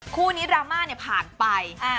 คู่นี้ดราม่าแบบนี้ผ่านไป